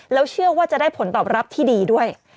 แล้วเชื่อว่าจะได้ผลตอบรับที่ดีด้วย